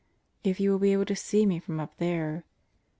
"if you will be able to see me from up there?